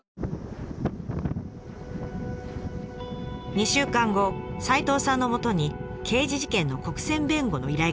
２週間後齋藤さんのもとに刑事事件の国選弁護の依頼が来ました。